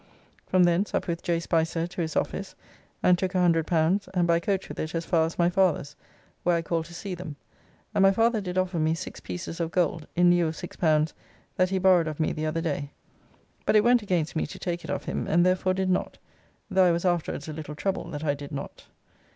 From thence up with J. Spicer to his office and took L100, and by coach with it as far as my father's, where I called to see them, and my father did offer me six pieces of gold, in lieu of six pounds that he borrowed of me the other day, but it went against me to take it of him and therefore did not, though I was afterwards a little troubled that I did not.